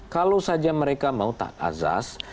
kalau saja mereka mau taat azas